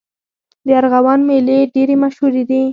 د ارغوان میلې ډېرې مشهورې دي.